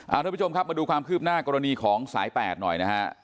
ทุกผู้ชมครับมาดูความคืบหน้ากรณีของสายแปดหน่อยนะฮะ